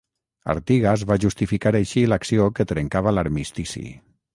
Artigas va justificar així l'acció que trencava l'armistici.